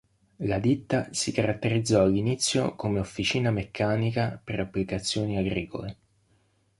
La ditta si caratterizzò all'inizio come officina meccanica per applicazioni agricole.